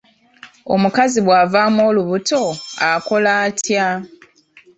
Omukazi bw'avaamu olubuto akola atya?